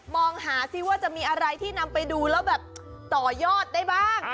มองหาซิว่าจะมีอะไรที่นำไปดูแล้วแบบต่อยอดได้บ้าง